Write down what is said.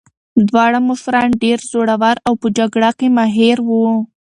دواړه مشران ډېر زړور او په جګړه کې ماهر وو.